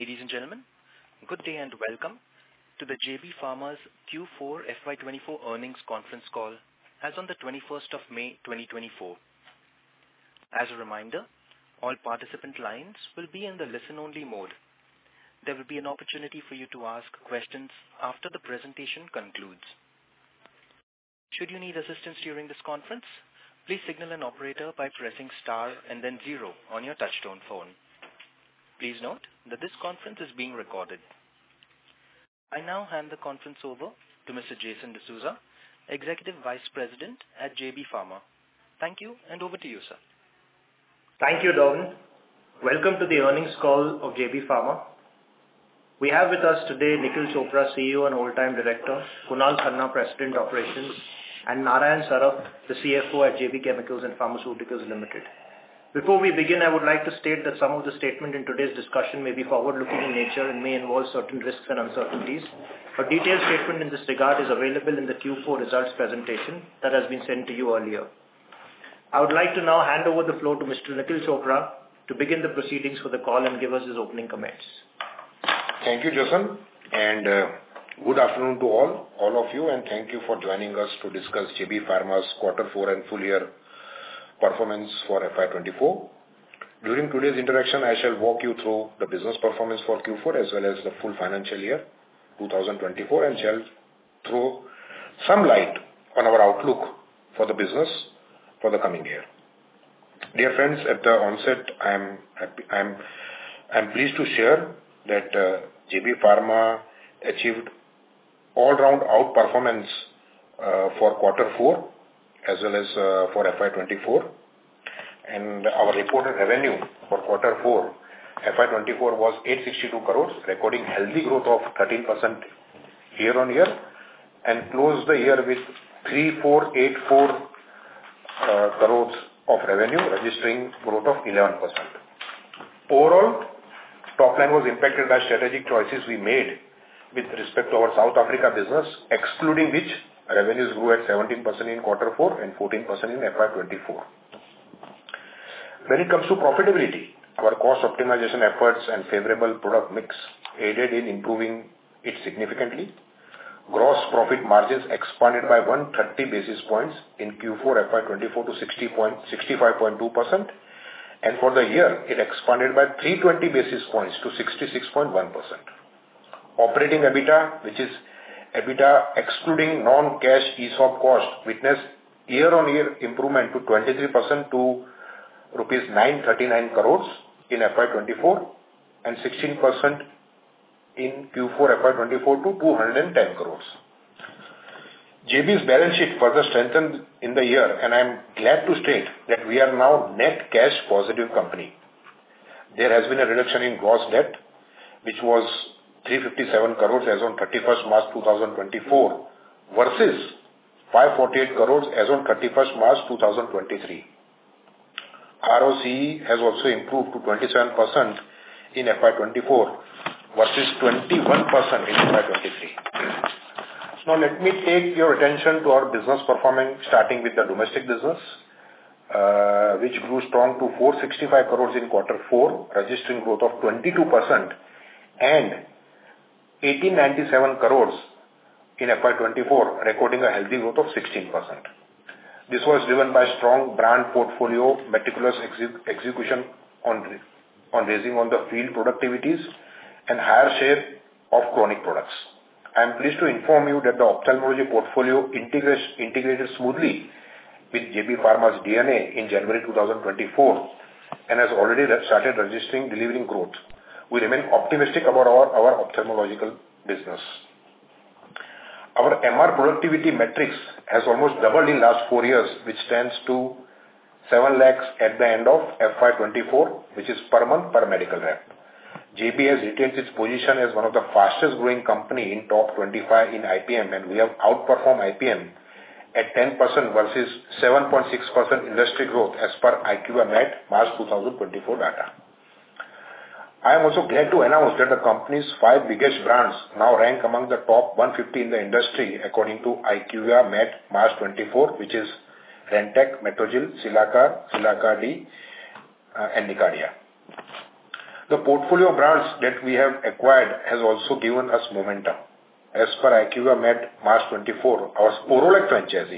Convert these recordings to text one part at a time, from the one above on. Ladies and gentlemen, good day and welcome to the JB Pharma's Q4 FY 2024 earnings conference call, as on the 21st of May, 2024. As a reminder, all participant lines will be in the listen-only mode. There will be an opportunity for you to ask questions after the presentation concludes. Should you need assistance during this conference, please signal an operator by pressing star and then zero on your touchtone phone. Please note that this conference is being recorded. I now hand the conference over to Mr. Jason D'souza, Executive Vice President at JB Pharma. Thank you, and over to you, sir. Thank you, Donovan. Welcome to the earnings call of JB Pharma. We have with us today, Nikhil Chopra, CEO, and Whole Time Director, Kunal Khanna, President, Operations, and Narayan Saraf, the CFO at JB Chemicals and Pharmaceuticals Limited. Before we begin, I would like to state that some of the statement in today's discussion may be forward-looking in nature and may involve certain risks and uncertainties. A detailed statement in this regard is available in the Q4 results presentation that has been sent to you earlier. I would like to now hand over the floor to Mr. Nikhil Chopra, to begin the proceedings for the call and give us his opening comments. Thank you, Jason, and good afternoon to all, all of you, and thank you for joining us to discuss JB Pharma's quarter four and full year performance for FY 2024. During today's interaction, I shall walk you through the business performance for Q4 as well as the full financial year 2024, and shall throw some light on our outlook for the business for the coming year. Dear friends, at the onset, I am pleased to share that JB Pharma achieved all-round outperformance for quarter four, as well as for FY 2024. Our reported revenue for quarter four, FY 2024, was 862 crores, recording healthy growth of 13% year-on-year, and closed the year with 3,484 crores of revenue, registering growth of 11%. Overall, top line was impacted by strategic choices we made with respect to our South Africa business, excluding which, revenues grew at 17% in quarter four and 14% in FY 2024. When it comes to profitability, our cost optimization efforts and favorable product mix aided in improving it significantly. Gross profit margins expanded by 130 basis points in Q4 FY 2024 to 65.2%, and for the year it expanded by 320 basis points to 66.1%. Operating EBITDA, which is EBITDA, excluding non-cash ESOP cost, witnessed year-on-year improvement to 23%, to rupees 939 crores in FY 2024, and 16% in Q4 FY 2024 to 210 crores. JB's balance sheet further strengthened in the year, and I'm glad to state that we are now net cash positive company. There has been a reduction in gross debt, which was 357 crore as on 31st March, 2024, versus 548 crore as on 31st March, 2023. ROCE has also improved to 27% in FY 2024, versus 21% in FY 2023. Now, let me take your attention to our business performance, starting with the domestic business, which grew strong to 465 crore in quarter four, registering growth of 22% and 1,897 crore in FY 2024, recording a healthy growth of 16%. This was driven by strong brand portfolio, meticulous execution on raising the field productivities and higher share of chronic products. I am pleased to inform you that the ophthalmology portfolio integrated smoothly with JB Pharma's DNA in January 2024, and has already started delivering growth. We remain optimistic about our, our ophthalmological business. Our MR productivity metrics has almost doubled in last 4 years, which stands to 7 lakhs at the end of FY 2024, which is per month, per medical rep. JB has retained its position as one of the fastest growing company in top 25 in IPM, and we have outperformed IPM at 10% versus 7.6% industry growth as per IQVIA MAT, March 2024 data. I am also glad to announce that the company's five biggest brands now rank among the top 150 in the industry, according to IQVIA MAT, March 2024, which is Rantac, Metrogyl, Cilacar, Cilacar-T, and Nicardia. The portfolio brands that we have acquired has also given us momentum. As per IQVIA MAT, March 2024, our Sporlac franchise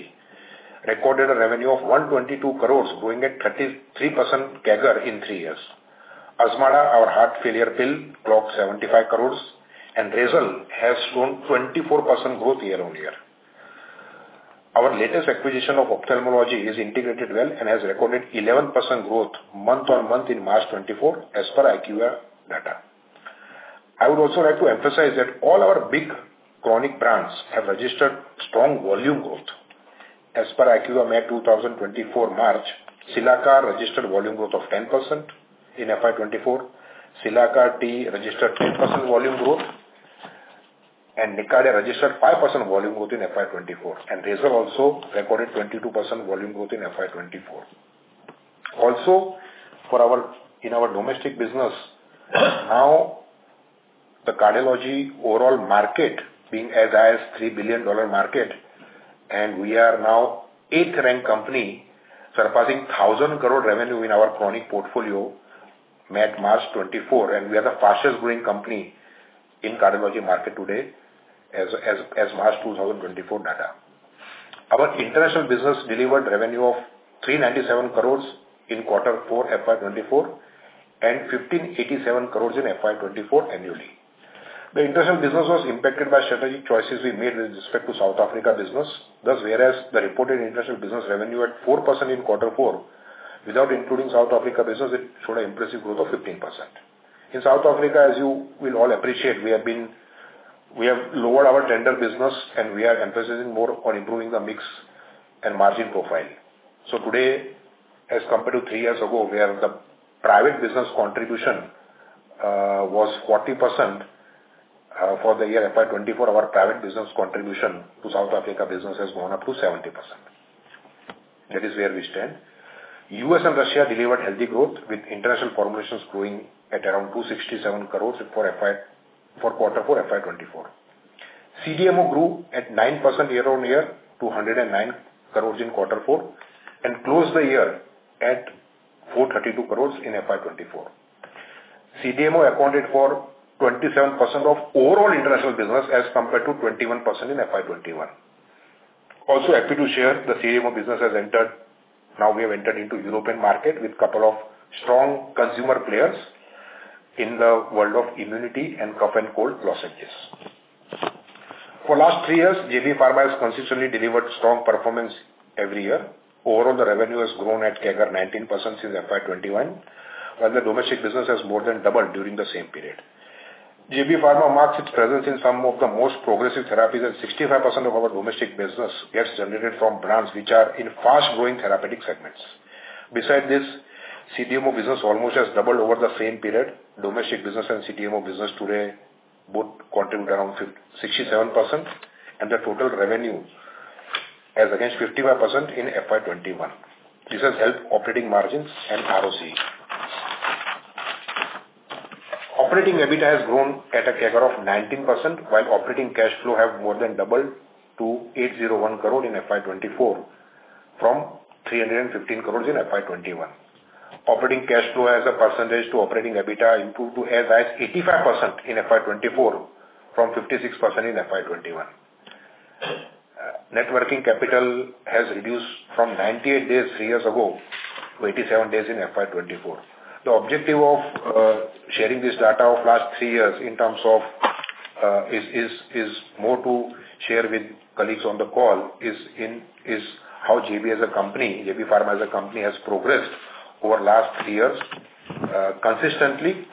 recorded a revenue of 122 crore, growing at 33% CAGR in three years. Azmarda, our heart failure pill, clocked 75 crore, and Razel has shown 24% growth year-over-year. Our latest acquisition of ophthalmology is integrated well and has recorded 11% growth month-over-month in March 2024, as per IQVIA data. I would also like to emphasize that all our big chronic brands have registered strong volume growth. As per IQVIA MAT, March 2024, Cilacar registered volume growth of 10% in FY 2024, Cilacar-T registered 10% volume growth, and Nicardia registered 5% volume growth in FY 2024, and Razel also recorded 22% volume growth in FY 2024. Also, for our in our domestic business, now, the cardiology overall market being as high as $3 billion market. We are now eighth-ranked company, surpassing 1,000 crore revenue in our chronic portfolio at March 2024, and we are the fastest-growing company in cardiology market today as March 2024 data. Our international business delivered revenue of 397 crores in Q4, FY 2024, and 1,587 crores in FY 2024 annually. The international business was impacted by strategic choices we made with respect to South Africa business. Thus, whereas the reported international business revenue at 4% in Q4, without including South Africa business, it showed an impressive growth of 15%. In South Africa, as you will all appreciate, we have lowered our tender business, and we are emphasizing more on improving the mix and margin profile. Today, as compared to three years ago, where the private business contribution was 40%, for the year FY 2024, our private business contribution to South Africa business has gone up to 70%. That is where we stand. U.S. and Russia delivered healthy growth, with international formulations growing at around 267 crore for quarter four, FY 2024. CDMO grew at 9% year-on-year to 109 crore in quarter four, and closed the year at 432 crore in FY 2024. CDMO accounted for 27% of overall international business, as compared to 21% in FY 2021. Also, happy to share the CDMO business has entered; now we have entered into European market with couple of strong consumer players in the world of immunity and cough and cold lozenges. For last three years, JB Pharma has consistently delivered strong performance every year. Overall, the revenue has grown at CAGR 19% since FY 2021, while the domestic business has more than doubled during the same period. JB Pharma marks its presence in some of the most progressive therapies, and 65% of our domestic business gets generated from brands which are in fast-growing therapeutic segments. Besides this, CDMO business almost has doubled over the same period. Domestic business and CDMO business today both contribute around 66%-67%, and the total revenue as against 55% in FY 2021. This has helped operating margins and ROCE. Operating EBITDA has grown at a CAGR of 19%, while operating cash flow have more than doubled to 801 crore in FY 2024, from 315 crores in FY 2021. Operating cash flow as a percentage to operating EBITDA improved to as high as 85% in FY 2024, from 56% in FY 2021. Net working capital has reduced from 98 days, three years ago, to 87 days in FY 2024. The objective of sharing this data of last three years, in terms of, is more to share with colleagues on the call, is how JB as a company, JB Pharma as a company, has progressed over last three years, consistently,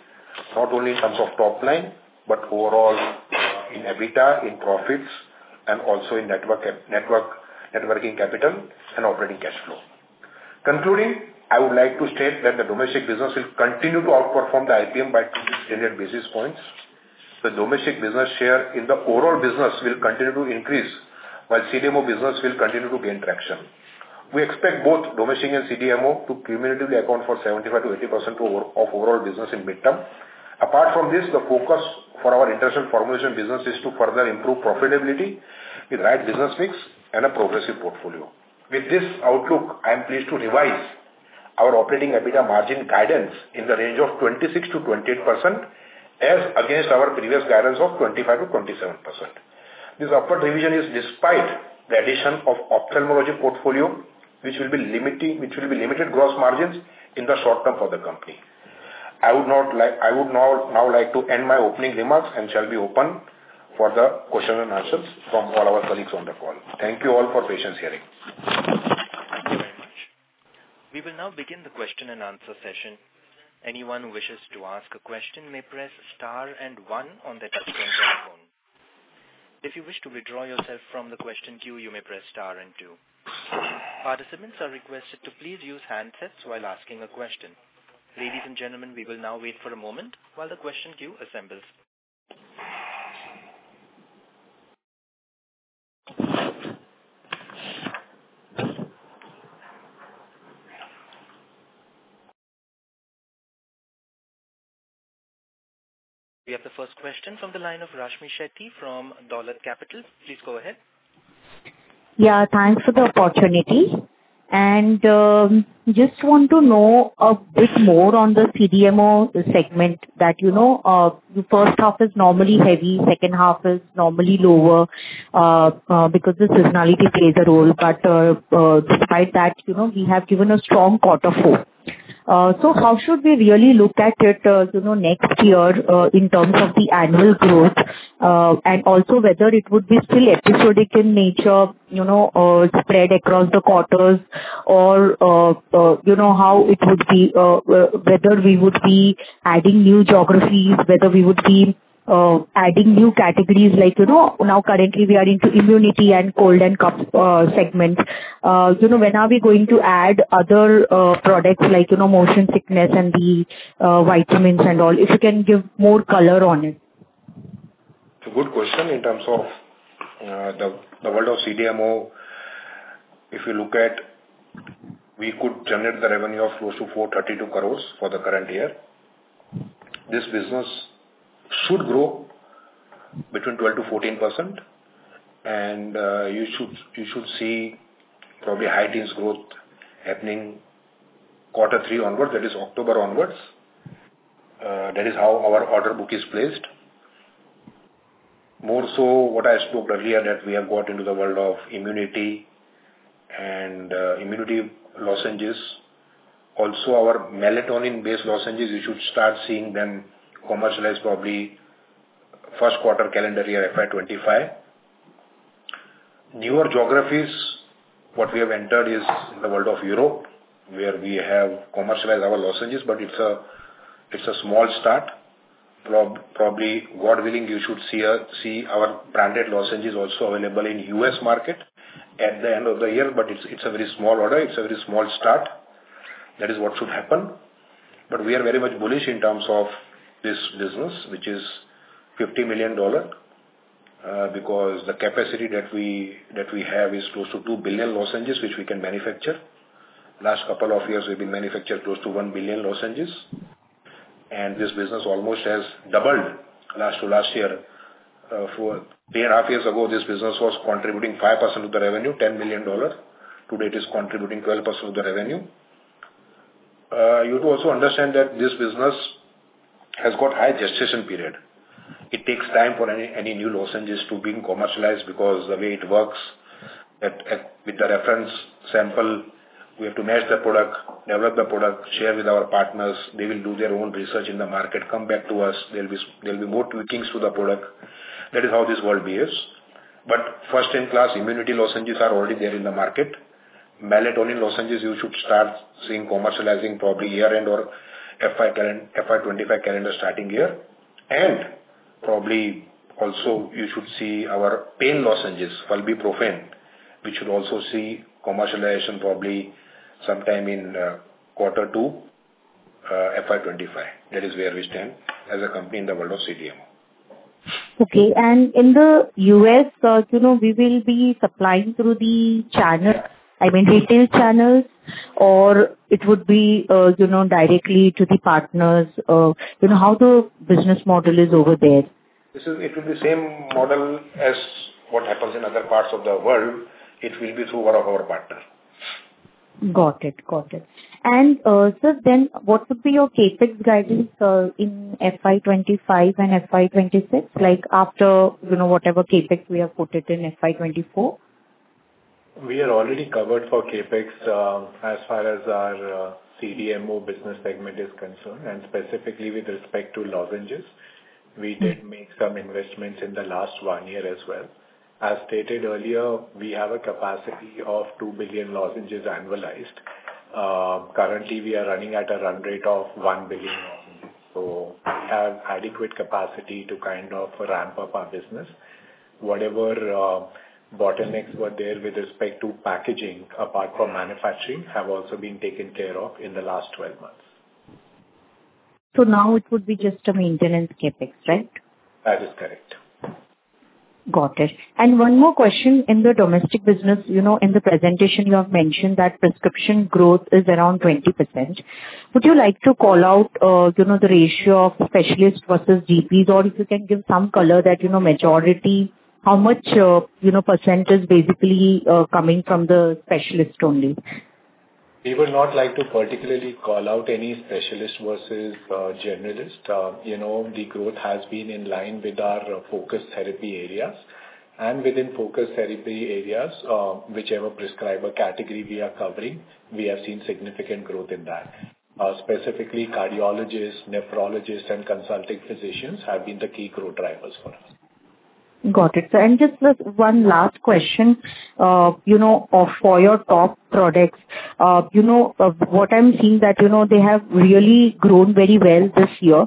not only in terms of top line, but overall in EBITDA, in profits, and also in net working capital and operating cash flow. Concluding, I would like to state that the domestic business will continue to outperform the IPM by 200-300 basis points. The domestic business share in the overall business will continue to increase, while CDMO business will continue to gain traction. We expect both domestic and CDMO to cumulatively account for 75%-80% of overall business in midterm. Apart from this, the focus for our international formulation business is to further improve profitability with right business mix and a progressive portfolio. With this outlook, I am pleased to revise our operating EBITDA margin guidance in the range of 26%-28%, as against our previous guidance of 25%-27%. This upward revision is despite the addition of ophthalmology portfolio, which will limit gross margins in the short term for the company. I would not like... I would now like to end my opening remarks, and shall be open for the question and answers from all our colleagues on the call. Thank you all for patient hearing. Thank you very much. We will now begin the question and answer session. Anyone who wishes to ask a question may press star and one on their touchtone phone. If you wish to withdraw yourself from the question queue, you may press star and two. Participants are requested to please use handsets while asking a question. Ladies and gentlemen, we will now wait for a moment while the question queue assembles. We have the first question from the line of Rashmmi Shetty from Dolat Capital. Please go ahead. Yeah, thanks for the opportunity. And, just want to know a bit more on the CDMO segment that, you know, the first half is normally heavy, second half is normally lower, because the seasonality plays a role. But, despite that, you know, we have given a strong quarter four. So how should we really look at it, you know, next year, in terms of the annual growth? And also whether it would be still episodic in nature, you know, spread across the quarters or, you know, how it would be, whether we would be adding new geographies, whether we would be adding new categories like, you know, now currently we are into immunity and cold and cough, segments. So when are we going to add other products like, you know, motion sickness and the vitamins and all? If you can give more color on it. It's a good question in terms of the world of CDMO. If you look at we could generate the revenue of close to 432 crore for the current year. This business should grow between 12%-14%, and you should see probably high teens growth happening quarter three onwards, that is October onwards. That is how our order book is placed. More so, what I spoke earlier, that we have got into the world of immunity and immunity lozenges. Also, our melatonin-based lozenges, you should start seeing them commercialized probably first quarter calendar year FY 2025. Newer geographies, what we have entered is in the world of Europe, where we have commercialized our lozenges, but it's a small start. Probably, God willing, you should see our branded lozenges also available in U.S. market at the end of the year, but it's a very small order, it's a very small start. That is what should happen. But we are very much bullish in terms of this business, which is $50 million, because the capacity that we have is close to 2 billion lozenges, which we can manufacture. Last couple of years, we've been manufactured close to 1 billion lozenges, and this business almost has doubled last to last year. Three and a half years ago, this business was contributing 5% of the revenue, $10 billion. Today, it is contributing 12% of the revenue. You have to also understand that this business has got high gestation period. It takes time for any new lozenges to being commercialized, because the way it works, at, with the reference sample, we have to match the product, develop the product, share with our partners. They will do their own research in the market, come back to us, there'll be more tweakings to the product. That is how this world behaves. But first-in-class immunity lozenges are already there in the market. Melatonin lozenges, you should start seeing commercializing probably year-end or FY current FY 2025 calendar starting year. And probably also you should see our pain lozenges, flurbiprofen, which should also see commercialization probably sometime in quarter two FY 2025. That is where we stand as a company in the world of CDMO. Okay. And in the U.S., you know, we will be supplying through the channel—I mean, retail channels, or it would be, you know, directly to the partners? You know, how the business model is over there? This is it. It will be same model as what happens in other parts of the world. It will be through one of our partners. Got it. Got it. And, sir, then what would be your CapEx guidance in FY 2025 and FY 2026, like, after, you know, whatever CapEx we have put it in FY 2024? We are already covered for CapEx, as far as our, CDMO business segment is concerned, and specifically with respect to lozenges. We did make some investments in the last one year as well. As stated earlier, we have a capacity of 2 billion lozenges, annualized. Currently, we are running at a run rate of 1 billion lozenges, so we have adequate capacity to kind of ramp up our business. Whatever, bottlenecks were there with respect to packaging, apart from manufacturing, have also been taken care of in the last 12 months. Now it would be just a maintenance CapEx, right? That is correct. Got it. And one more question: in the domestic business, you know, in the presentation you have mentioned that prescription growth is around 20%. Would you like to call out, you know, the ratio of specialists versus GPs, or if you can give some color that, you know, majority, how much, you know, percent is basically coming from the specialists only? We would not like to particularly call out any specialist versus generalist. You know, the growth has been in line with our focused therapy areas. And within focused therapy areas, whichever prescriber category we are covering, we have seen significant growth in that. Specifically, cardiologists, nephrologists, and consulting physicians have been the key growth drivers for us. Got it. So, and just one last question. You know, for your top products, you know, what I'm seeing that, you know, they have really grown very well this year.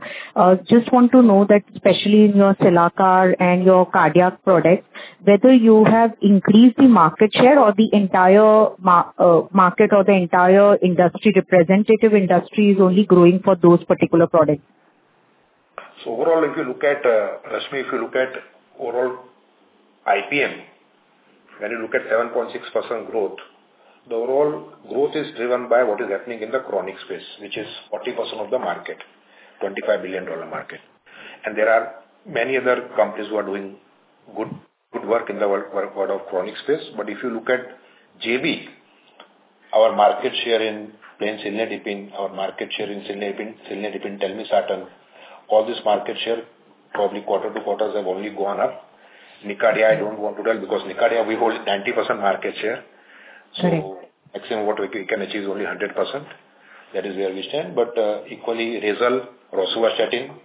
Just want to know that especially in your Cilacar and your cardiac products, whether you have increased the market share or the entire market, or the entire industry, representative industry, is only growing for those particular products. So overall, if you look at Rashmi, if you look at overall IPM, when you look at 7.6% growth, the overall growth is driven by what is happening in the chronic space, which is 40% of the market, $25 billion market. And there are many other companies who are doing good, good work in the world of chronic space. But if you look at JB, our market share in cilnidipine, our market share in cilnidipine, cilnidipine, telmisartan, all this market share, probably quarter-to-quarter have only gone up. Nicardia, I don't want to tell, because Nicardia we hold 90% market share. Sorry. So maximum what we can achieve only 100%. That is where we stand. But equally, Razel, rosuvastatin,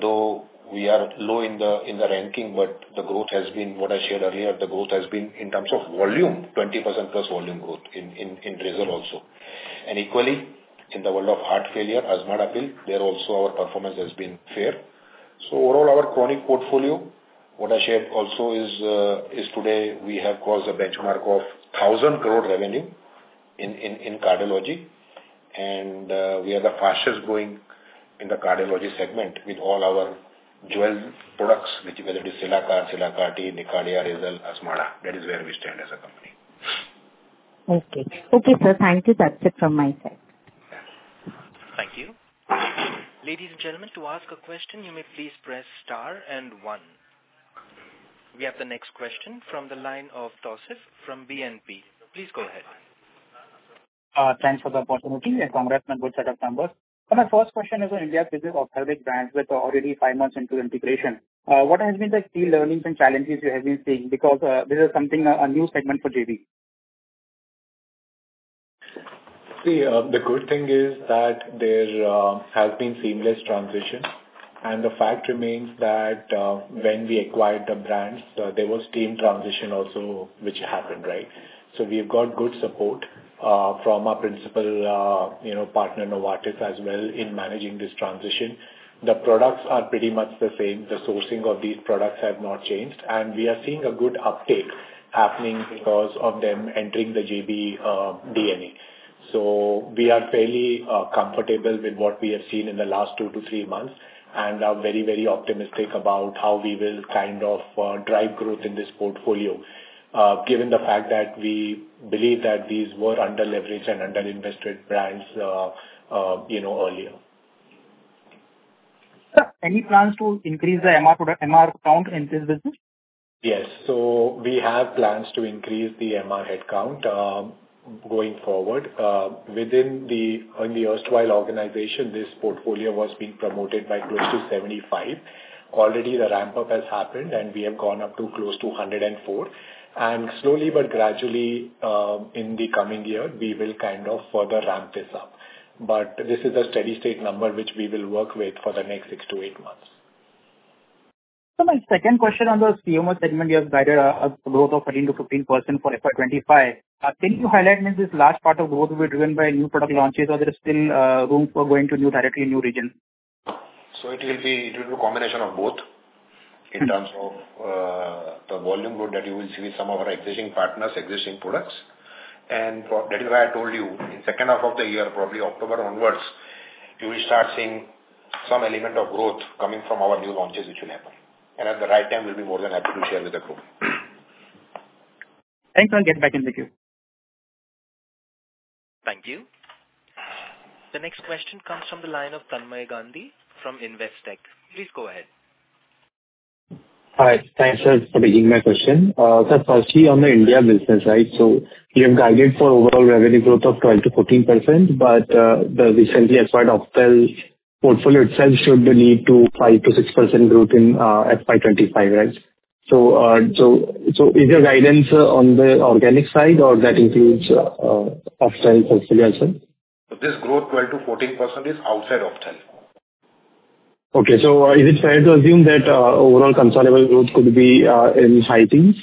though we are low in the, in the ranking, but the growth has been what I shared earlier, the growth has been, in terms of volume, 20%+ volume growth in, in, in Razel also. And equally, in the world of heart failure, Azmarda, there also our performance has been fair. So overall, our chronic portfolio, what I shared also is, today we have crossed the benchmark of 1,000 crore revenue in, in, in cardiology... and we are the fastest growing in the cardiology segment with all our 12 products, which whether it is Cilacar, Cilacar-T, Nicardia, Razel, Azmarda, that is where we stand as a company. Okay. Okay, sir, thank you. That's it from my side. Thank you. Ladies and gentlemen, to ask a question, you may please press star and one. We have the next question from the line of Tausif from BNP Paribas. Please go ahead. Thanks for the opportunity and congrats on a good set of numbers. So my first question is on India business of Heartbeat brands, with already five months into integration. What has been the key learnings and challenges you have been seeing? Because, this is something, a new segment for JB. See, the good thing is that there has been seamless transition, and the fact remains that when we acquired the brands, there was team transition also, which happened, right? So we have got good support from our principal, you know, partner, Novartis, as well, in managing this transition. The products are pretty much the same. The sourcing of these products have not changed, and we are seeing a good uptake happening because of them entering the JB DNA. So we are fairly comfortable with what we have seen in the last 2-3 months, and are very, very optimistic about how we will kind of drive growth in this portfolio. Given the fact that we believe that these were under-leveraged and under-invested brands, you know, earlier. Sir, any plans to increase the MR account in this business? Yes. So we have plans to increase the MR headcount, going forward. Within the, in the erstwhile organization, this portfolio was being promoted by close to 75. Already the ramp-up has happened, and we have gone up to close to 104. And slowly but gradually, in the coming year, we will kind of further ramp this up. But this is a steady-state number, which we will work with for the next 6-8 months. So my second question on the CDMO segment, you have guided a growth of 13%-15% for FY 2025. Can you highlight, means, this large part of growth will be driven by new product launches, or there is still room for going to new, directly new region? It will be, it will be a combination of both- Mm-hmm. In terms of the volume growth that you will see with some of our existing partners, existing products. And that is why I told you, in second half of the year, probably October onwards, you will start seeing some element of growth coming from our new launches which will happen. And at the right time, we'll be more than happy to share with the group. Thanks, and get back in the queue. Thank you. The next question comes from the line of Tanmay Gandhi from Investec. Please go ahead. Hi. Thanks, sir, for taking my question. Sir, firstly, on the India business, right, so you have guided for overall revenue growth of 12%-14%, but the recently acquired Ophthal portfolio itself should lead to 5%-6% growth in FY 2025, right? So, so, so is your guidance on the organic side, or that includes Ophthal portfolio also? This growth, 12%-14%, is outside Ophthal. Okay. So, is it fair to assume that overall consolidated growth could be in high teens?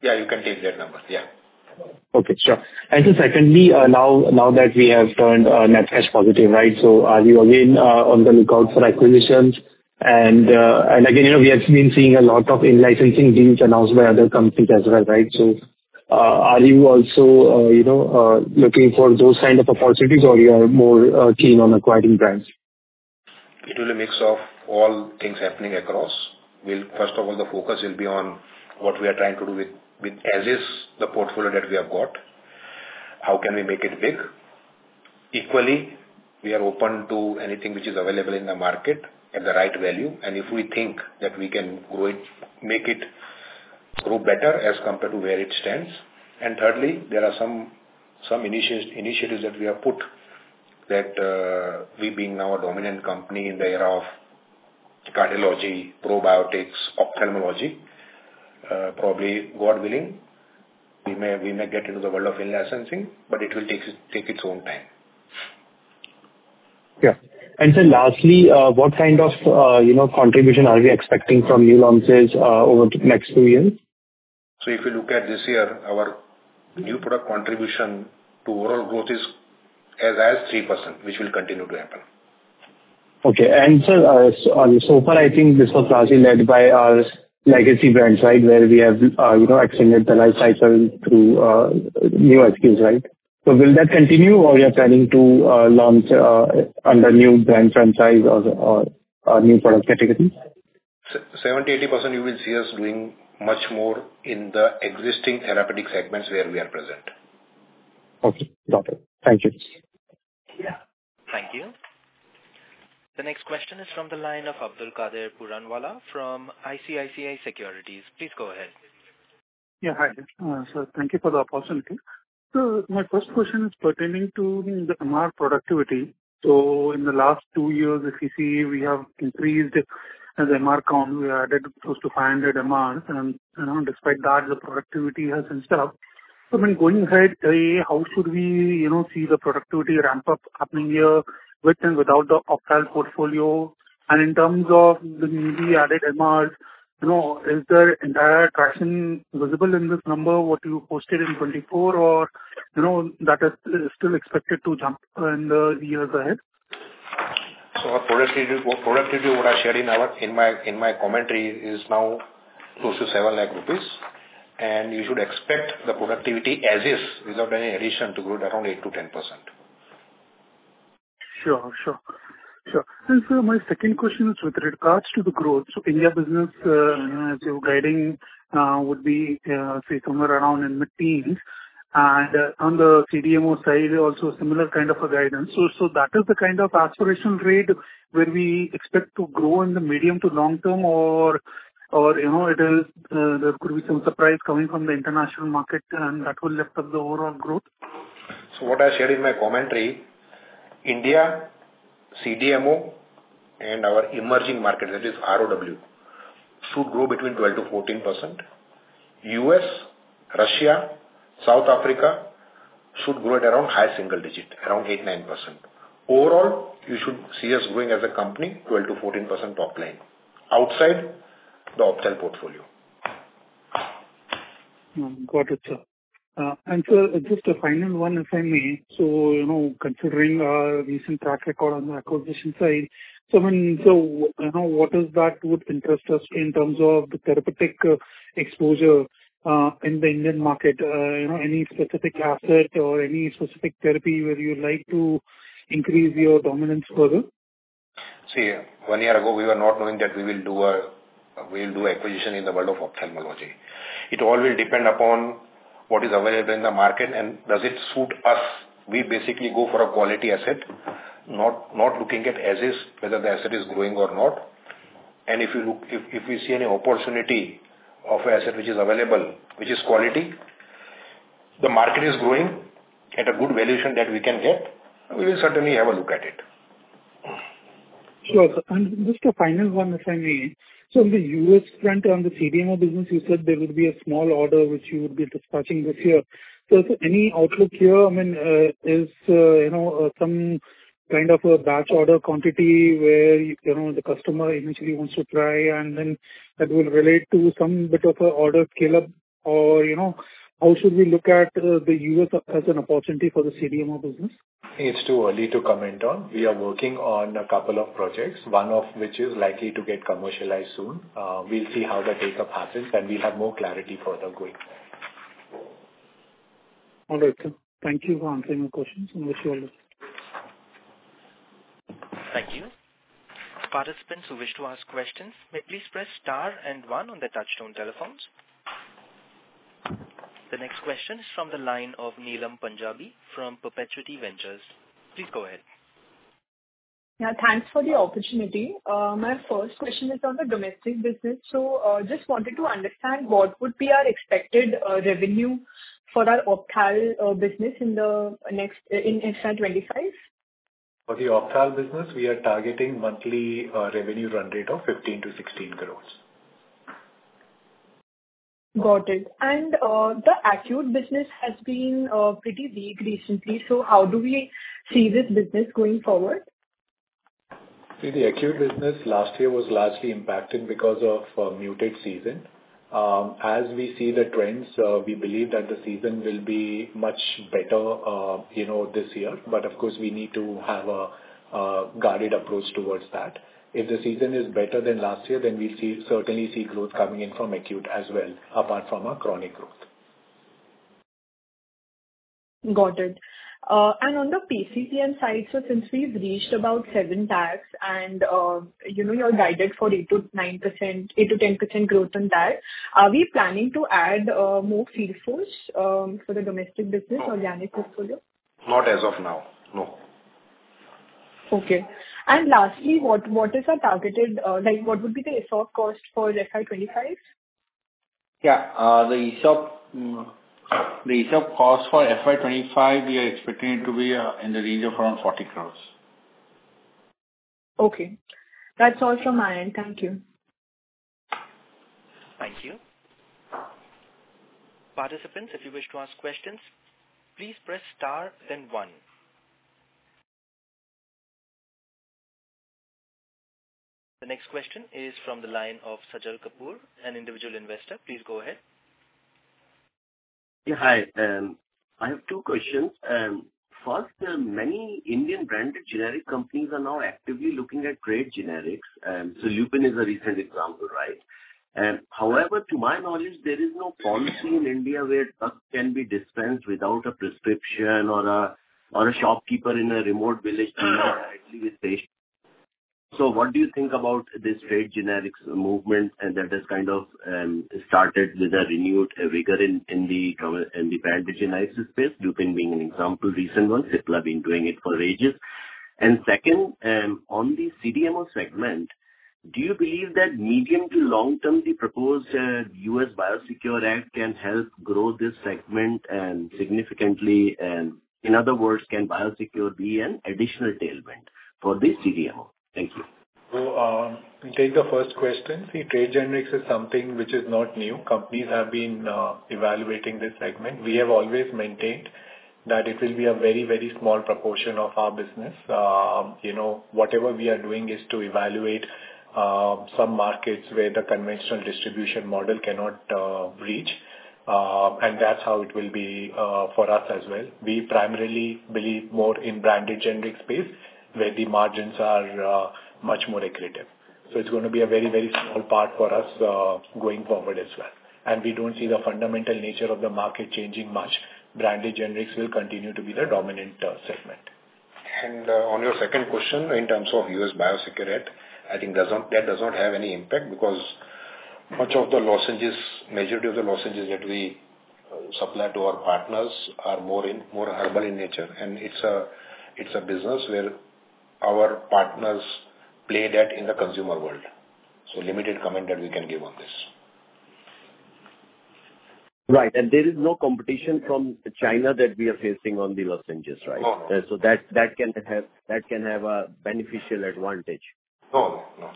Yeah, you can take that number. Yeah. Okay, sure. And so secondly, now, now that we have turned, net cash positive, right, so are you again, on the lookout for acquisitions? And, and again, you know, we have been seeing a lot of in-licensing deals announced by other companies as well, right? So, are you also, you know, looking for those kind of opportunities, or you are more, keen on acquiring brands? It will be a mix of all things happening across. We'll first of all, the focus will be on what we are trying to do with as is, the portfolio that we have got. How can we make it big? Equally, we are open to anything which is available in the market at the right value, and if we think that we can grow it, make it grow better as compared to where it stands. And thirdly, there are some initiatives that we have put that we being now a dominant company in the area of cardiology, probiotics, ophthalmology, probably, God willing, we may get into the world of in-licensing, but it will take its own time. Yeah. And sir, lastly, what kind of, you know, contribution are we expecting from new launches over the next two years? If you look at this year, our new product contribution to overall growth is as at 3%, which will continue to happen. Okay. And sir, so far, I think this was largely led by our legacy brands, right, where we have, you know, extended the life cycle through new SKUs, right? So will that continue, or you are planning to launch under new brand franchise or new product categories? 70%-80%, you will see us doing much more in the existing therapeutic segments where we are present. Okay, got it. Thank you. Yeah. Thank you. The next question is from the line of Abdulkader Puranwala from ICICI Securities. Please go ahead. Yeah, hi. Sir, thank you for the opportunity. So my first question is pertaining to the MR productivity. So in the last two years, if you see, we have increased the MR count, we added close to 500 MR, and, you know, despite that, the productivity has been stuck. So when going ahead, how should we, you know, see the productivity ramp up happening here, with and without the Ophthal portfolio? And in terms of the newly added MRs, you know, is the entire traction visible in this number, what you posted in 2024, or you know, that is still expected to jump in the years ahead?... So our productivity what I shared in my commentary is now close to 7 lakh rupees, and you should expect the productivity as is, without any addition, to grow at around 8%-10%. Sure, sure. Sure. And so my second question is with regards to the growth of India business, as you're guiding, would be, say, somewhere around in mid-teens. And on the CDMO side, also similar kind of a guidance. So, so that is the kind of aspirational rate where we expect to grow in the medium to long term, or, or, you know, it is, there could be some surprise coming from the international market and that will lift up the overall growth? So what I shared in my commentary, India, CDMO, and our emerging market, that is ROW, should grow between 12%-14%. U.S., Russia, South Africa should grow at around high single-digit, around 8%-9%. Overall, you should see us growing as a company, 12%-14% top line, outside the Ophthalmology portfolio. Got it, sir. And sir, just a final one, if I may. So, you know, considering our recent track record on the acquisition side, so, you know, what is that would interest us in terms of the therapeutic, exposure, in the Indian market? You know, any specific asset or any specific therapy where you would like to increase your dominance further? See, one year ago we were not knowing that we will do a, we'll do acquisition in the world of ophthalmology. It all will depend upon what is available in the market and does it suit us. We basically go for a quality asset, not, not looking at as is, whether the asset is growing or not. And if you look- if, if we see any opportunity of an asset which is available, which is quality, the market is growing at a good valuation that we can get, we will certainly have a look at it. Sure. And just a final one, if I may. So in the U.S. front, on the CDMO business, you said there would be a small order which you would be dispatching this year. So any outlook here, I mean, is, you know, some kind of a batch order quantity where, you know, the customer initially wants to try and then that will relate to some bit of a order scale-up? Or, you know, how should we look at the U.S. as an opportunity for the CDMO business? It's too early to comment on. We are working on a couple of projects, one of which is likely to get commercialized soon. We'll see how the take-up happens, and we'll have more clarity further going forward. All right, sir. Thank you for answering the questions and wish you all the best. Thank you. Participants who wish to ask questions, may please press star and one on their touchtone telephones. The next question is from the line of Neelam Punjabi from Perpetuity Ventures. Please go ahead. Yeah, thanks for the opportunity. My first question is on the domestic business. So, just wanted to understand, what would be our expected revenue for our Ophthal business in the next, in FY 2025? For the ophthalmic business, we are targeting monthly revenue run rate of 15 crores-16 crores. Got it. And the acute business has been pretty weak recently, so how do we see this business going forward? See, the acute business last year was largely impacted because of, muted season. As we see the trends, we believe that the season will be much better, you know, this year. But of course, we need to have a, guarded approach towards that. If the season is better than last year, then we'll see, certainly see growth coming in from acute as well, apart from our chronic growth. Got it. And on the PCPM side, so since we've reached about seven tags and, you know, you're guided for 8%-9%, 8%-10% growth on that, are we planning to add more field force for the domestic business or generic portfolio? Not as of now, no. Okay. And lastly, what is our targeted, like what would be the ESOP cost for FY 2025? Yeah. The ESOP cost for FY 2025, we are expecting it to be in the range of around 40 crores. Okay. That's all from my end. Thank you. Thank you. Participants, if you wish to ask questions, please press star then one. The next question is from the line of Sajal Kapoor, an Individual Investor. Please go ahead. Yeah, hi. I have two questions. First, many Indian branded generic companies are now actively looking at trade generics, and so Lupin is a recent example, right? However, to my knowledge, there is no policy in India where drugs can be dispensed without a prescription or a, or a shopkeeper in a remote village deal directly with patient. So what do you think about this trade generics movement, and that has kind of started with a renewed rigor in the branded generics space, Lupin being an example, recent one, Cipla been doing it for ages. And second, on the CDMO segment, do you believe that medium to long term, the proposed U.S. BIOSECURE Act can help grow this segment significantly? In other words, can BIOSECURE be an additional tailwind for the CDMO? Thank you. Take the first question. See, trade generics is something which is not new. Companies have been evaluating this segment. We have always maintained that it will be a very, very small proportion of our business. You know, whatever we are doing is to evaluate some markets where the conventional distribution model cannot reach, and that's how it will be for us as well. We primarily believe more in branded generic space, where the margins are much more accretive. So it's gonna be a very, very small part for us going forward as well. And we don't see the fundamental nature of the market changing much. Branded generics will continue to be the dominant segment. And on your second question, in terms of U.S. BIOSECURE Act, I think that does not have any impact because much of the lozenges, majority of the lozenges that we supply to our partners are more in, more herbal in nature, and it's a, it's a business where our partners play that in the consumer world. So limited comment that we can give on this. Right, and there is no competition from China that we are facing on the lozenges, right? No, no. So that can have a beneficial advantage. No, no.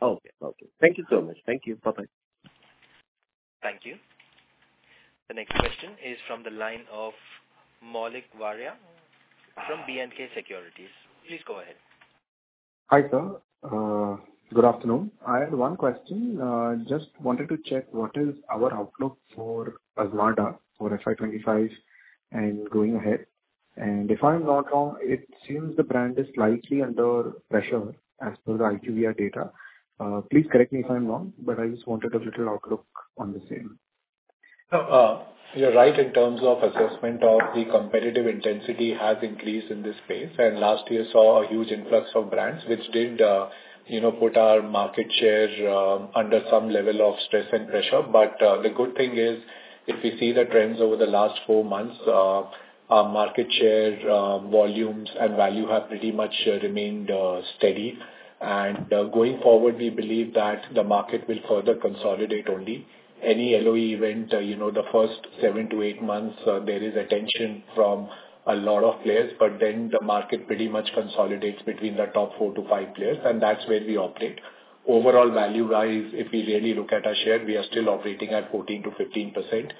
Okay. Okay. Thank you so much. Thank you. Bye-bye. Thank you. The next question is from the line of Maulik Varia, from B&K Securities. Please go ahead. Hi, sir. Good afternoon. I have one question. Just wanted to check, what is our outlook for Azmarda for FY 2025 and going ahead? And if I'm not wrong, it seems the brand is slightly under pressure as per the IQVIA data. Please correct me if I'm wrong, but I just wanted a little outlook on the same. You're right in terms of assessment of the competitive intensity has increased in this space, and last year saw a huge influx of brands, which did, you know, put our market share under some level of stress and pressure. But the good thing is, if you see the trends over the last four months, our market share, volumes and value have pretty much remained steady. And going forward, we believe that the market will further consolidate only. Any LOE event, you know, the first seven to eight months, there is attention from a lot of players, but then the market pretty much consolidates between the top four to five players, and that's where we operate. Overall, value-wise, if we really look at our share, we are still operating at 14%-15%.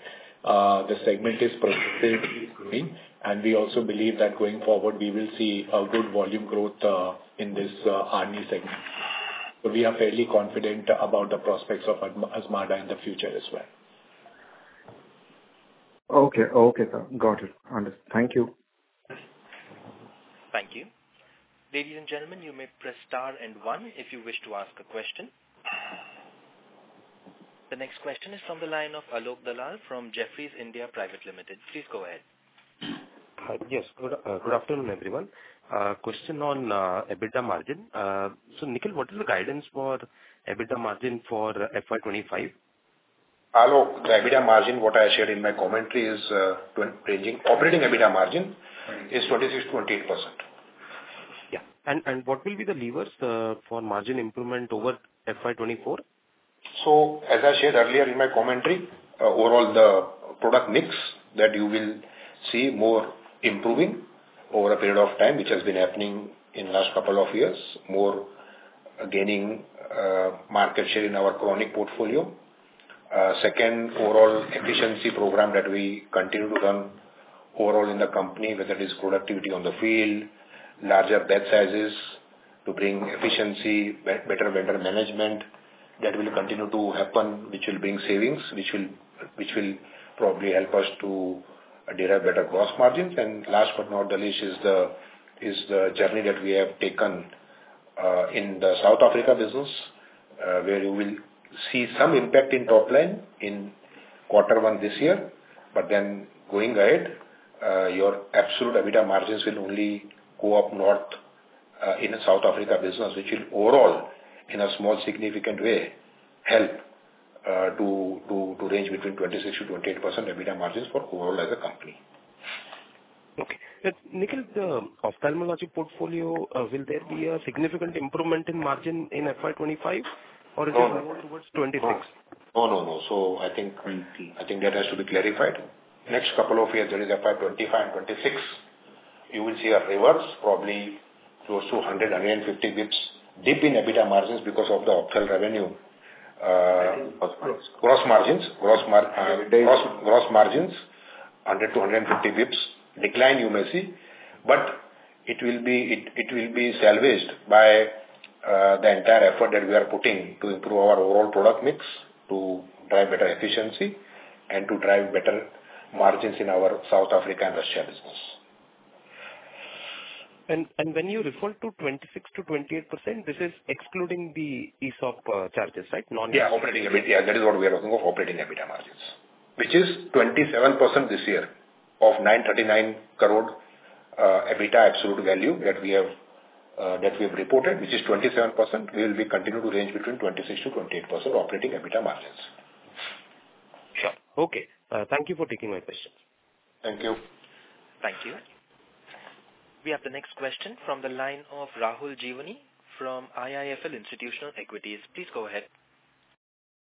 The segment is progressive, and we also believe that going forward, we will see a good volume growth in this ARNI segment. So we are fairly confident about the prospects of Azmarda in the future as well. Okay. Okay, sir. Got it. Understood. Thank you. Thank you. Ladies and gentlemen, you may press star and one if you wish to ask a question. The next question is from the line of Alok Dalal, from Jefferies India Private Limited. Please go ahead. Hi. Yes, good, good afternoon, everyone. Question on EBITDA margin. So, Nikhil, what is the guidance for EBITDA margin for FY 2025? Alok, the EBITDA margin, what I shared in my commentary is, 20 ranging, operating EBITDA margin- Mm-hmm. - is 26%-28%. Yeah. And, and what will be the levers for margin improvement over FY 2024? So, as I shared earlier in my commentary, overall the product mix that you will see more improving over a period of time, which has been happening in last couple of years, more gaining market share in our chronic portfolio. Second, overall efficiency program that we continue to run overall in the company, whether it is productivity on the field, larger bed sizes to bring efficiency, better vendor management, that will continue to happen, which will bring savings, which will probably help us to derive better gross margins. And last but not the least, is the journey that we have taken in the South Africa business, where you will see some impact in top line in quarter one this year. But then going ahead, your absolute EBITDA margins will only go up north in the South Africa business, which will overall, in a small significant way, help to range between 26%-28% EBITDA margins for overall as a company. Okay. Nikhil, the Ophthalmology portfolio, will there be a significant improvement in margin in FY 2025 or- No. - towards 2026? No, no, no. So I think- I see. I think that has to be clarified. Next couple of years, that is FY 2025 and 2026, you will see a reverse, probably close to 100, 150 BPS dip in EBITDA margins because of the Ophthal revenue. Cross margins. Cross margins, gross margins, 100 BPS-150 BPS decline you may see, but it will be, it, it will be salvaged by the entire effort that we are putting to improve our overall product mix, to drive better efficiency and to drive better margins in our South Africa and Russia business. When you refer to 26%-28%, this is excluding the ESOP charges, right? Non- Yeah, operating EBITDA. That is what we are looking for, operating EBITDA margins, which is 27% this year of 939 crore, EBITDA absolute value that we have, that we have reported, which is 27%. We will be continue to range between 26%-28% operating EBITDA margins. Sure. Okay, thank you for taking my questions. Thank you. Thank you. We have the next question from the line of Rahul Jeewani, from IIFL Institutional Equities. Please go ahead.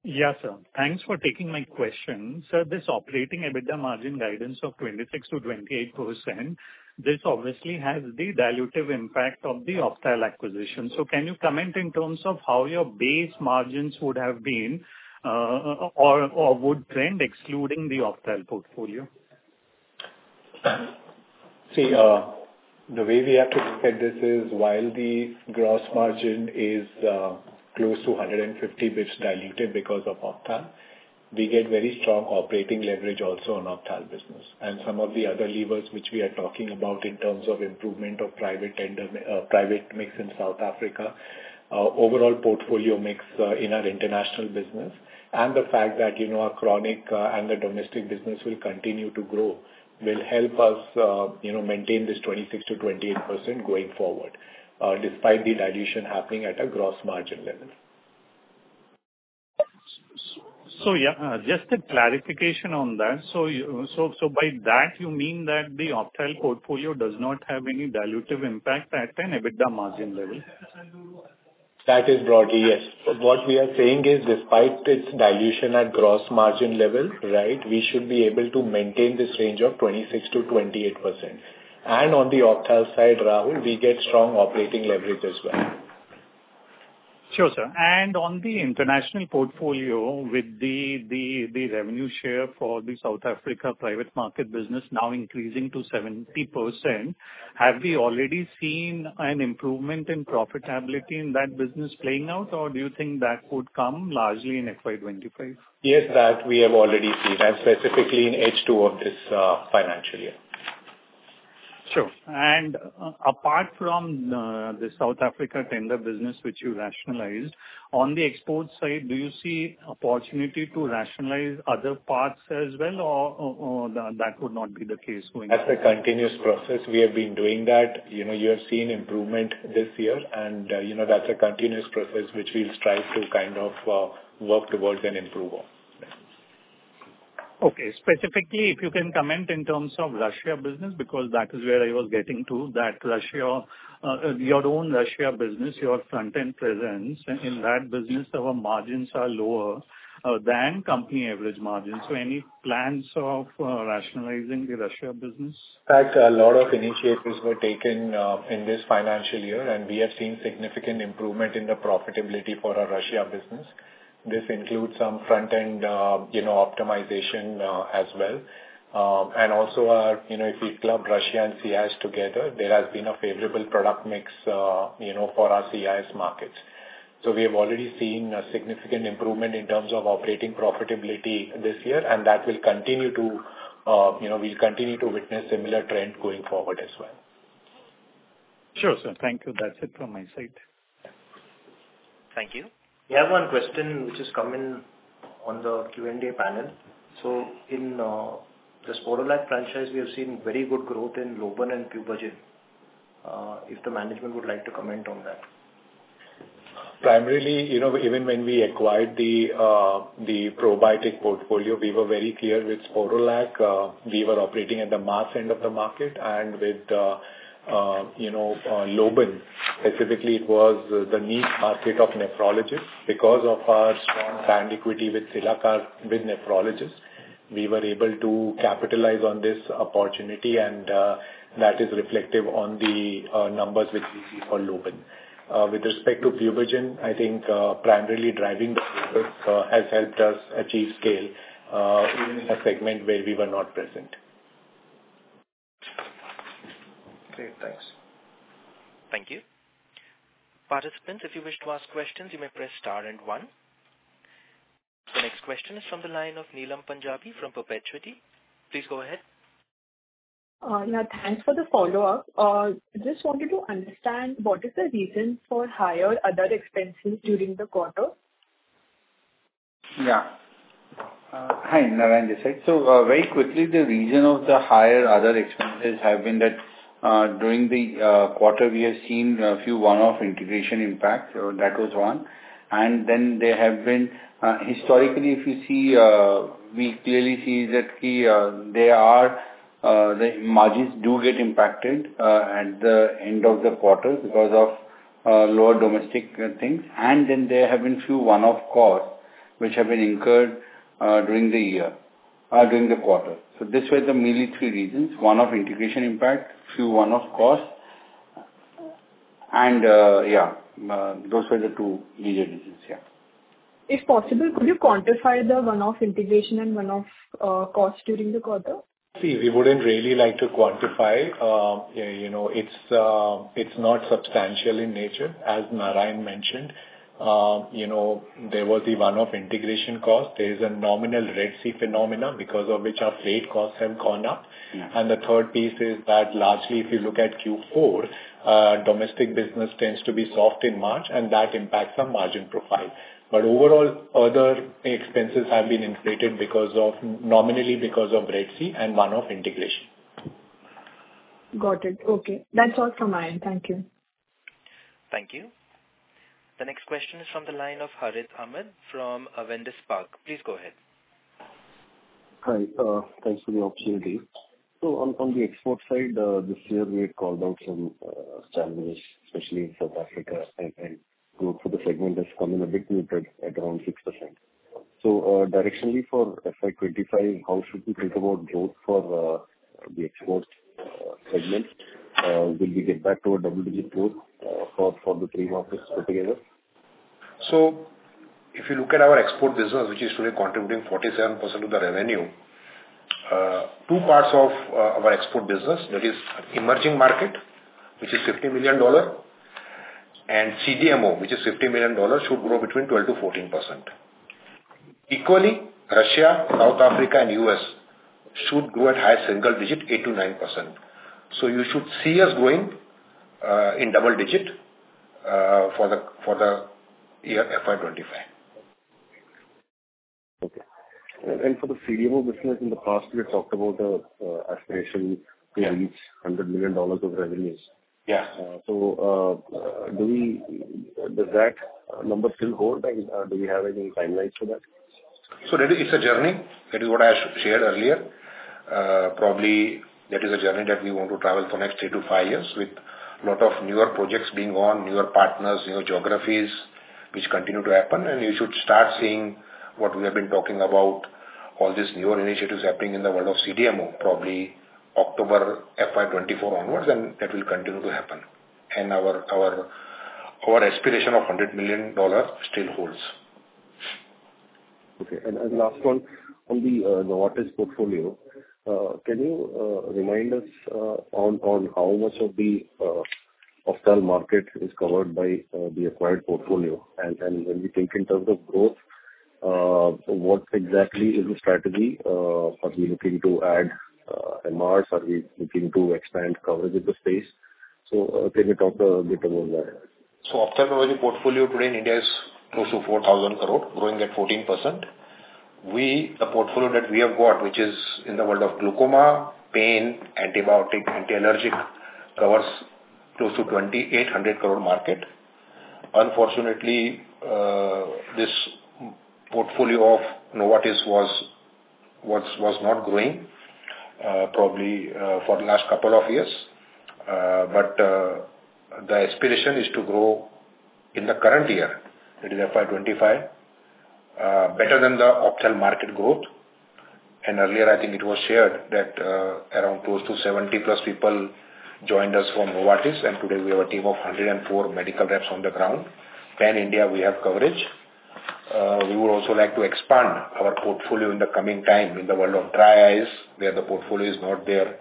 Yes, sir. Thanks for taking my question. Sir, this operating EBITDA margin guidance of 26%-28%, this obviously has the dilutive impact of the Ophthal acquisition. So can you comment in terms of how your base margins would have been, or would trend excluding the Ophthal portfolio?... See, the way we have to look at this is, while the gross margin is close to 150, which diluted because of Ophthal, we get very strong operating leverage also on Ophthal business. And some of the other levers which we are talking about in terms of improvement of private tender, private mix in South Africa, overall portfolio mix in our international business, and the fact that, you know, our chronic and the domestic business will continue to grow, will help us, you know, maintain this 26%-28% going forward, despite the dilution happening at a gross margin level. So, yeah, just a clarification on that. So, by that you mean that the Ophthal portfolio does not have any dilutive impact at an EBITDA margin level? That is broadly, yes. What we are saying is, despite its dilution at gross margin level, right, we should be able to maintain this range of 26%-28%. And on the Ophthal side, Rahul, we get strong operating leverage as well. Sure, sir. And on the international portfolio, with the revenue share for the South Africa private market business now increasing to 70%, have we already seen an improvement in profitability in that business playing out, or do you think that would come largely in FY 2025? Yes, that we have already seen, and specifically in H2 of this financial year. Sure. Apart from the South Africa tender business, which you rationalized, on the export side, do you see opportunity to rationalize other parts as well, or that would not be the case going forward? That's a continuous process. We have been doing that. You know, you have seen improvement this year, and, you know, that's a continuous process which we'll strive to kind of, work towards and improve on. Okay. Specifically, if you can comment in terms of Russia business, because that is where I was getting to, that Russia, your own Russia business, your front-end presence. In that business, our margins are lower than company average margins, so any plans of rationalizing the Russia business? In fact, a lot of initiatives were taken in this financial year, and we have seen significant improvement in the profitability for our Russia business. This includes some front-end, you know, optimization as well. And also our, you know, if we club Russia and CIS together, there has been a favorable product mix, you know, for our CIS markets. So we have already seen a significant improvement in terms of operating profitability this year, and that will continue to, you know, we'll continue to witness similar trend going forward as well. Sure, sir. Thank you. That's it from my side. Thank you. We have one question which has come in on the Q&A panel. So in the Sporlac franchise, we have seen very good growth in Lobun and Pubergen. If the management would like to comment on that. Primarily, you know, even when we acquired the probiotic portfolio, we were very clear with Sporlac, we were operating at the mass end of the market, and with, you know, Lobun, specifically, it was the niche market of nephrologists. Because of our strong brand equity with Cilacar, with nephrologists, we were able to capitalize on this opportunity, and that is reflective on the numbers which we see for Lobun. With respect to Pubergen, I think, primarily driving has helped us achieve scale, even in a segment where we were not present. Great. Thanks. Thank you. Participants, if you wish to ask questions, you may press star and one. The next question is from the line of Neelam Punjabi from Perpetuity. Please go ahead. Yeah, thanks for the follow-up. Just wanted to understand, what is the reason for higher other expenses during the quarter? Yeah. Hi, Narayan Saraf. So, very quickly, the reason of the higher other expenses have been that, during the quarter, we have seen a few one-off integration impacts, that was one. And then there have been... Historically, if you see, we clearly see that, they are, the margins do get impacted, at the end of the quarter because of, lower domestic, things. And then there have been few one-off costs which have been incurred, during the year, during the quarter. So this was the mainly three reasons: one, of integration impact, few one-off costs, and, yeah, those were the two major reasons. Yeah. If possible, could you quantify the one-off integration and one-off costs during the quarter? See, we wouldn't really like to quantify. Yeah, you know, it's not substantial in nature. As Narayan mentioned, you know, there was the one-off integration cost. There is a nominal Red Sea phenomenon, because of which our freight costs have gone up. Yeah. The third piece is that largely, if you look at Q4, domestic business tends to be soft in March, and that impacts our margin profile. Overall, other expenses have been inflated because of, nominally because of Red Sea and one-off integration. Got it. Okay. That's all from my end. Thank you. Thank you. The next question is from the line of Harith Ahamed from Avendus Spark. Please go ahead. Hi, thanks for the opportunity. So on the export side, this year, we had called out some challenges, especially in South Africa, and growth for the segment has come in a bit muted at around 6%. So, directionally for FY 2025, how should we think about growth for the export segment? Will we get back to a double-digit growth for the three markets put together? ...So if you look at our export business, which is today contributing 47% of the revenue, two parts of our export business, that is emerging market, which is $50 million, and CDMO, which is $50 million, should grow between 12%-14%. Equally, Russia, South Africa, and U.S. should grow at high single-digit, 8%-9%. So you should see us growing in double-digit for the year FY 2025. Okay. For the CDMO business, in the past, we had talked about the aspiration- Yeah. -to reach $100 million of revenues. Yeah. So, do we—does that number still hold, and do we have any timelines for that? So that is a journey. That is what I shared earlier. Probably that is a journey that we want to travel for next 3-5 years, with lot of newer projects being on, newer partners, newer geographies, which continue to happen. And you should start seeing what we have been talking about, all these newer initiatives happening in the world of CDMO, probably October FY 2024 onwards, and that will continue to happen. And our aspiration of $100 million still holds. Okay. And last one: on the Novartis portfolio, can you remind us on how much of the ophthalmic market is covered by the acquired portfolio? And when we think in terms of growth, what exactly is the strategy? Are we looking to add MRs? Are we looking to expand coverage in the space? So, can you talk a little about that? So ophthalmology portfolio today in India is close to 4,000 crore, growing at 14%. We, the portfolio that we have got, which is in the world of glaucoma, pain, antibiotic, antiallergic, covers close to 2,800 crore market. Unfortunately, this portfolio of Novartis was not growing, probably for the last couple of years. But, the aspiration is to grow in the current year, that is FY 2025, better than the ophthalmology market growth. And earlier, I think it was shared that, around close to 70+ people joined us from Novartis, and today we have a team of 104 medical reps on the ground. Pan India, we have coverage. We would also like to expand our portfolio in the coming time in the world of dry eyes, where the portfolio is not there,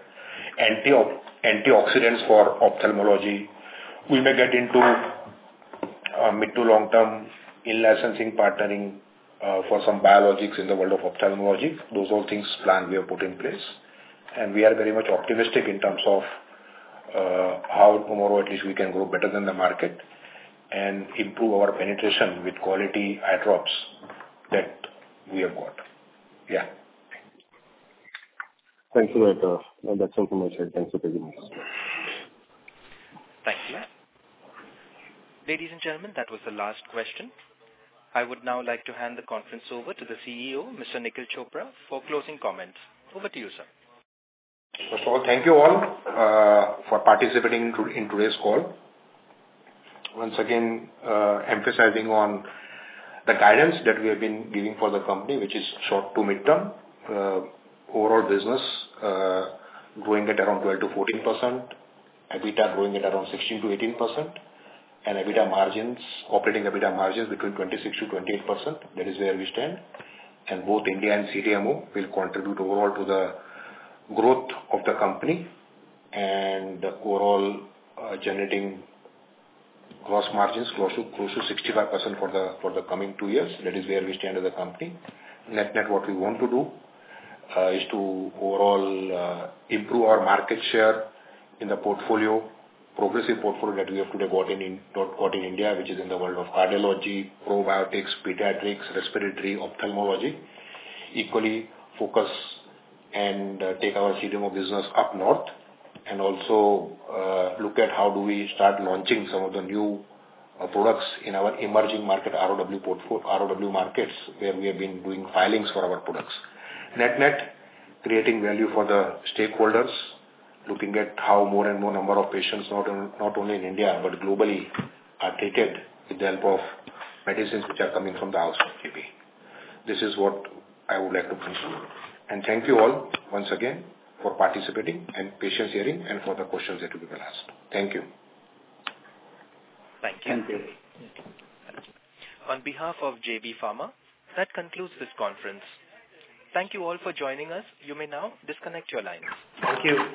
anti-ox, antioxidants for ophthalmology. We may get into mid- to long-term in-licensing, partnering for some biologics in the world of ophthalmology. Those all things, plan we have put in place. We are very much optimistic in terms of how tomorrow at least we can grow better than the market and improve our penetration with quality eye drops that we have got. Yeah. Thank you, that, that's all from my side. Thanks for taking this. Thank you. Ladies and gentlemen, that was the last question. I would now like to hand the conference over to the CEO, Mr. Nikhil Chopra, for closing comments. Over to you, sir. First of all, thank you all for participating in today's call. Once again, emphasizing on the guidance that we have been giving for the company, which is short to mid-term. Overall business growing at around 12%-14%, EBITDA growing at around 16%-18%, and EBITDA margins, operating EBITDA margins between 26%-28%. That is where we stand. And both India and CDMO will contribute overall to the growth of the company and overall, generating gross margins close to, close to 65% for the, for the coming two years. That is where we stand as a company. Net-net, what we want to do is to overall improve our market share in the portfolio, progressive portfolio that we have today got in India, which is in the world of cardiology, probiotics, pediatrics, respiratory, ophthalmology. Equally, focus and take our CDMO business up north and also look at how do we start launching some of the new products in our emerging market, ROW markets, where we have been doing filings for our products. Net-net, creating value for the stakeholders, looking at how more and more number of patients, not only in India but globally, are treated with the help of medicines which are coming from the house of JB. This is what I would like to conclude. Thank you all once again for participating and patient hearing, and for the questions that have been asked. Thank you. Thank you. Thank you. On behalf of JB Pharma, that concludes this conference. Thank you all for joining us. You may now disconnect your lines. Thank you.